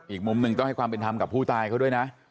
อีกมุมหนึ่งต้องให้ความเป็นธรรมกับผู้ตายเขาด้วยนะ